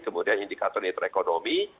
kemudian indikator netra ekonomi